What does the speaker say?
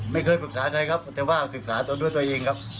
ไม่เคยปรึกษาใครครับแต่ว่าศึกษาตนด้วยตัวเองครับ